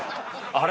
「あれ！？」